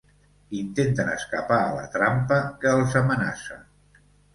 Intenten escapar a la trampa que els amenaça.